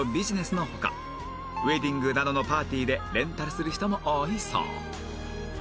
ウェディングなどのパーティーでレンタルする人も多いそう